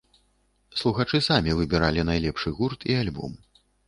Слухачы самі выбіралі найлепшы гурт і альбом.